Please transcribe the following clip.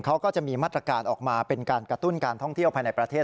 เขาก็จะมีมาตรการออกมาเป็นการกระตุ้นการท่องเที่ยวภายในประเทศ